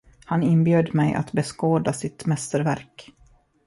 Han inbjöd mig att beskåda sitt mästerverk.